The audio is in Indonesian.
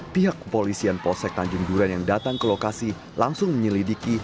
pihak kepolisian polsek tanjung duren yang datang ke lokasi langsung menyelidiki